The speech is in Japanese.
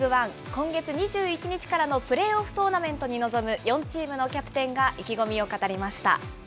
今月２１日からのプレーオフトーナメントに臨む４チームのキャプテンが意気込みを語りました。